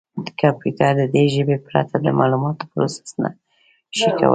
کمپیوټر د دې ژبې پرته د معلوماتو پروسس نه شي کولای.